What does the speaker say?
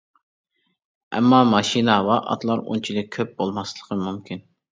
ئەمما ماشىنا ۋە ئاتلار ئۇنچىلىك كۆپ بولماسلىقى مۇمكىن.